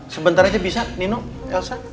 sebentar aja bisa nino elsa